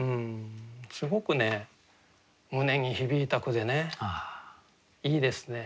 すごく胸に響いた句でねいいですね。